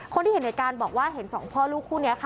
ที่เห็นในการบอกว่าเห็นสองพ่อลูกคู่นี้ค่ะ